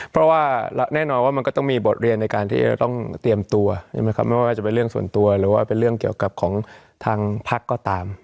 เพราะว่าแน่นอนว่ามันก็ต้องมีบทเรียนในการที่จะต้องเตรียมตัวใช่ไหมครับไม่ว่าจะเป็นเรื่องส่วนตัวหรือว่าเป็นเรื่องเกี่ยวกับของทางพักก็ตาม